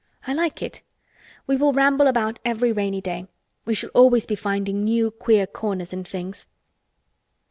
I like it. We will ramble about every rainy day. We shall always be finding new queer corners and things."